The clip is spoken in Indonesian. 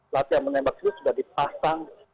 latihan menembak itu sudah dipasang